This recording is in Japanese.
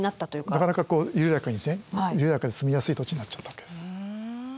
なかなかこう緩やかで住みやすい土地になっちゃったわけです。